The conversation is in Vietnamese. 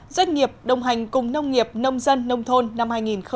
doanh nghiệp đồng hành cùng nông nghiệp nông dân nông thôn năm hai nghìn một mươi chín